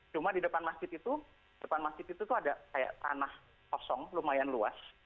cuma di depan masjid itu ada kayak tanah kosong lumayan luas